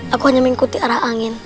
aku hanya mengikuti arah angin